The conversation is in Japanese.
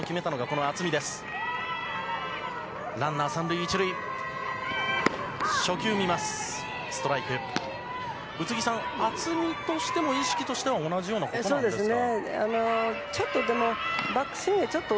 宇津木さん、渥美としても、意識としては同じようなことなんですか？